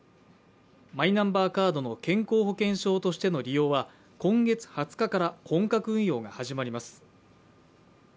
マイナンバーカードの健康保険証としての利用は今月２０日から本格運用が始まります。